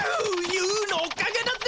ユーのおかげだぜ。